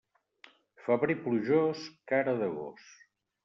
Febrer plujós, cara de gos.